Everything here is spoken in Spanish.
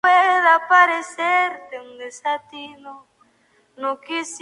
Asimismo continuó con la catalogación del Herbario Nacional.